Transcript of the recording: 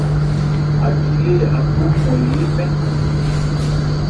Aji lê Akho ɔ́nmɔn elé nmɛ́n.